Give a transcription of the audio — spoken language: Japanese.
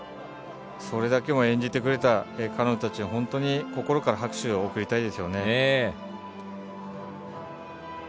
それだけ演じてくれた彼女たちに心から拍手を送りたいですよね。